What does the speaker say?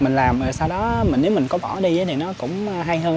mình làm sau đó nếu mình có bỏ đi thì nó cũng hay hơn